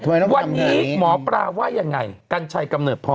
วันนี้หมอปราวะยังไงกันไช่กำเนิดพ่อ